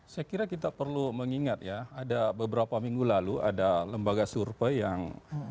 saya kira kita perlu mengingat ya ada beberapa minggu lalu ada lembaga survei yang